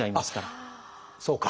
そうか。